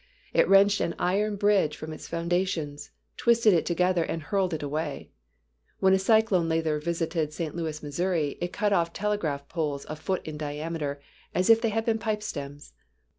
It wrenched an iron bridge from its foundations, twisted it together and hurled it away. When a cyclone later visited St. Louis, Mo., it cut off telegraph poles a foot in diameter as if they had been pipe stems.